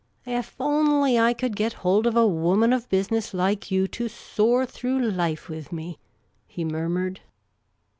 " Ef only I could get hold of a woman of business like you to soar through life with me," he murmured.